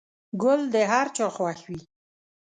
گل د هر چا خوښ وي.